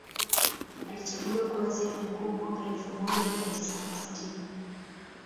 Alichaguliwa kuwa waziri mkuu mwaka elfu moja mia tisa na sitini